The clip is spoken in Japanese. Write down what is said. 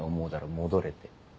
戻れって。